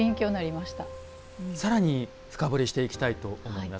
さらに深掘りしていきたいと思います。